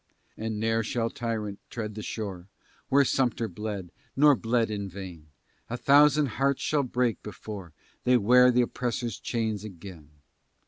And ne'er shall tyrant tread the shore Where Sumter bled, nor bled in vain; A thousand hearts shall break, before They wear the oppressor's chains again.